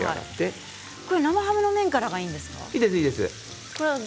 これは生ハムの面からがいいんですか？